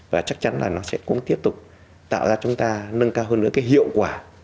và chắc chắn là nó sẽ cũng tiếp tục tạo ra chúng ta nâng cao hơn nữa cái hiệu quả